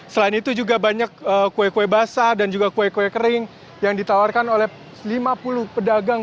selain itu juga banyak kue kue basah dan juga kue kue kering yang ditawarkan oleh lima puluh pedagang